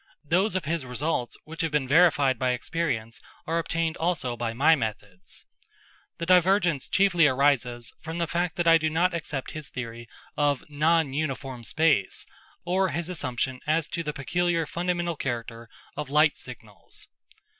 Those of his results which have been verified by experience are obtained also by my methods. The divergence chiefly arises from the fact that I do not accept his theory of non uniform space or his assumption as to the peculiar fundamental character of light signals.